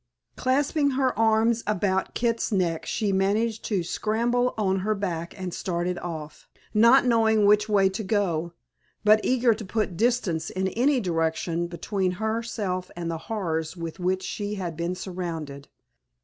Clasping her arms about Kit's neck she managed to scramble on her back and started off, not knowing which way to go, but eager to put distance in any direction between herself and the horrors with which she had been surrounded.